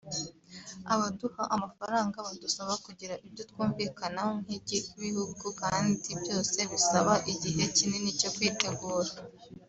abaduha amafaranga badusaba kugira ibyo twumvikanaho nk’ibihugu kandi byose bisaba igihe kinini cyo kwitegura